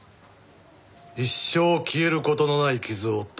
一生消える事のない傷を負った。